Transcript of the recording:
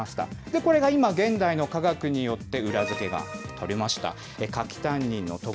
これが今、現代の化学によって裏付けが取れました。